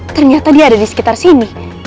ternyata dia ada di sekitar sini